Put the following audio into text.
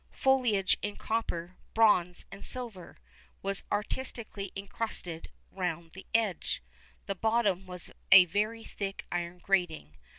Foliage in copper, bronze, and silver, was artistically incrusted round the edge. The bottom was a very thick iron grating.